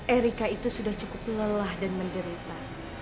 erika itu sudah cukup lelah dan menderita